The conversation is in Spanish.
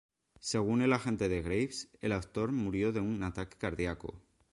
Según el agente de Graves, el actor murió de un ataque cardíaco.